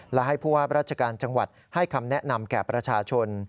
และให้ผู้ว่าราชการจังหวัดให้คำแนะนำแก่ประชาชน